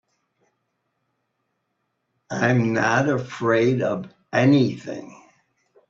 I'm not afraid of anything.